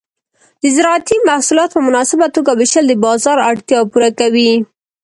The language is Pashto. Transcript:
د زراعتي محصولات په مناسبه توګه ویشل د بازار اړتیا پوره کوي.